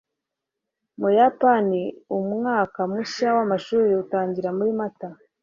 Mu Buyapani umwaka mushya w'amashuri utangira muri Mata.